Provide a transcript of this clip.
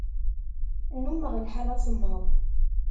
Nnummeɣ lḥal asemmaḍ.